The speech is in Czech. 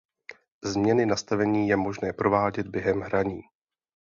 Změny nastavení je možné provádět během hraní.